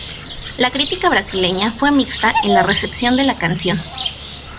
La crítica brasileña fue mixta en la recepción de la canción.